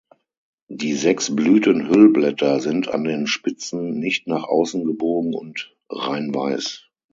Die sechs Blütenhüllblätter sind an den Spitzen nicht nach außen gebogen und reinweiß.